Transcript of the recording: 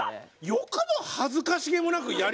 よくも恥ずかしげもなくやりますね。